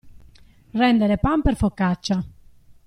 Rendere pan per focaccia.